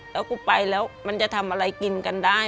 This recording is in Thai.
แล้วกูไปแล้วมันจะทำอะไรกินกันได้